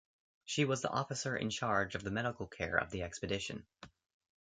She was the officer in charge of the medical care of the expedition.